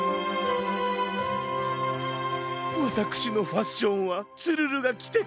わたくしのファッションはツルルがきてこそかがやくの。